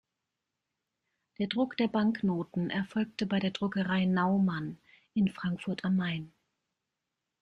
Der Druck der Banknoten erfolgte bei der Druckerei Naumann in Frankfurt am Main.